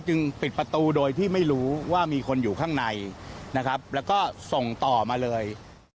ปิดประตูโดยที่ไม่รู้ว่ามีคนอยู่ข้างในนะครับแล้วก็ส่งต่อมาเลย